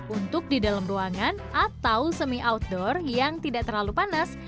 untuk di dalam ruangan atau semi outdoor yang tidak terlalu panas